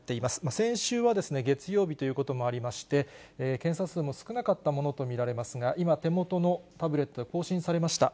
先週は月曜日ということもありまして、検査数も少なかったものと見られますが、今、手元のタブレットで更新されました。